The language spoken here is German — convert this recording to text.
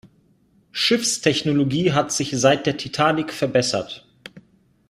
Schiffstechnologie hat sich seit der Titanic verbessert.